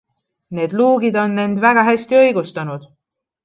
Need luugid on end väga hästi õigustanud.